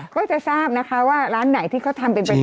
ก็จะทราบนะคะว่าร้านไหนที่เขาทำเป็นประจำ